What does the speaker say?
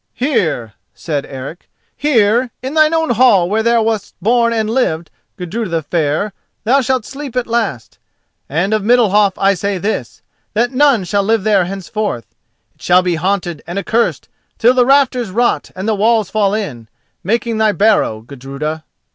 "Here," said Eric, "here, in thine own hall where thou wast born and lived, Gudruda the Fair, thou shalt sleep at the last. And of Middalhof I say this: that none shall live there henceforth. It shall be haunted and accursed till the rafters rot and the walls fall in, making thy barrow, Gudruda."